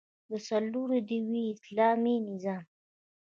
سرلوړی دې وي اسلامي نظام؟